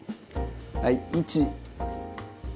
はい１。